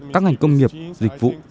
các ngành công nghiệp dịch vụ